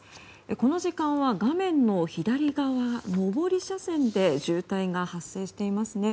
この時間は画面の左側上り車線で渋滞が発生していますね。